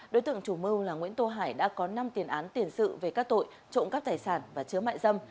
đối tượng chủ mưu là nguyễn tô hải đã có năm tiền án tiền sự về các tội trộm cắp tài sản và chứa mại dâm